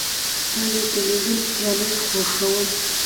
زه د تلویزیون سیالۍ خوښوم.